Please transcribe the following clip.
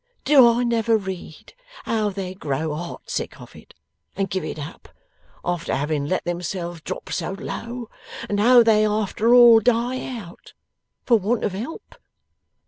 Do I never read how they grow heartsick of it and give it up, after having let themselves drop so low, and how they after all die out for want of help?